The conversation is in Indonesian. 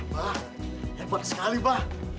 ba hebat sekali ba